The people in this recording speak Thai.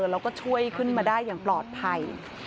แล้วก็ช่วยขึ้นมาได้อย่างปลอดภัย